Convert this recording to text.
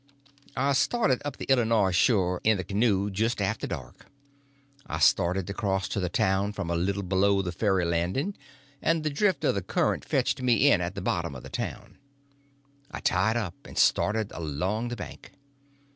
I started up the Illinois shore in the canoe just after dark. I started across to the town from a little below the ferry landing, and the drift of the current fetched me in at the bottom of the town. I tied up and started along the bank.